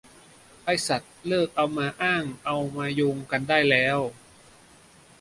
ไอ้สัส เลิกเอามาอ้างเอามาโยงกันได้แล้ว